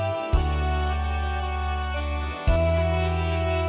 เพลงที่สองเพลงมาครับ